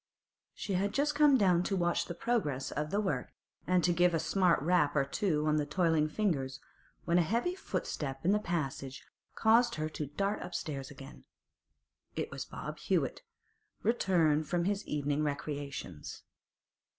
She had just come down to watch the progress of the work, and to give a smart rap or two on the toiling fingers, when a heavy footstep in the passage caused her to dart upstairs again. It was Bob Hewett, returned from his evening recreations.